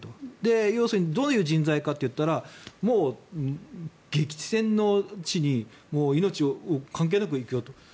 要するにどういう人材かといったら激戦の地に命、関係なく行くよと。